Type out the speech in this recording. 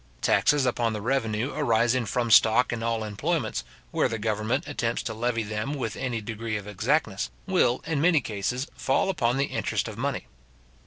Taxes upon the revenue arising from stock in all employments, where the government attempts to levy them with any degree of exactness, will, in many cases, fall upon the interest of money.